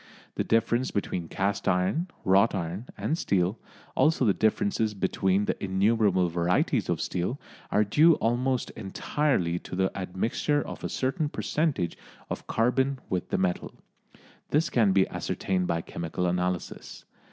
The difference between cast iron, wrought iron and steel, also the differences between the innumerable varieties of steel, are due almost entirely to the admixture of a certain percentage of carbon with the metal. This can be ascertained by chemical analysis.